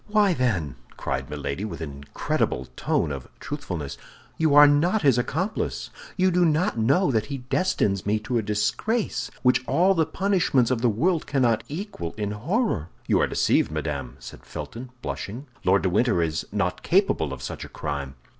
"Why, then," cried Milady, with an incredible tone of truthfulness, "you are not his accomplice; you do not know that he destines me to a disgrace which all the punishments of the world cannot equal in horror?" "You are deceived, madame," said Felton, blushing; "Lord de Winter is not capable of such a crime."